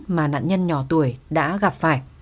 mà nạn nhân nhỏ tuổi đã gặp phải